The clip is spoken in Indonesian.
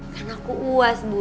kan aku uas bu